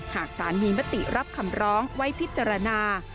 หากสารมีมติรับคำร้องไว้พิจารณา